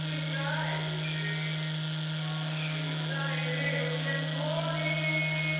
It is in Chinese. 恒春半岛成立国家公园之计画在日治时期即有学者提倡。